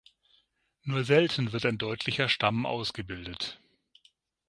Nur selten wird ein deutlicher Stamm ausgebildet.